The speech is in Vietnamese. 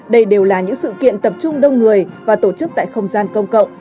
đây đều là những sự kiện tập trung đông người và tổ chức tại không gian công cộng